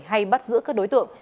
hay bắt giữ các đối tượng